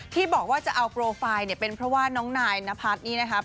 ที่บอกว่าจะเอาโปรไฟล์เนี่ยเป็นเพราะว่าน้องนายนพัฒน์นี่นะครับ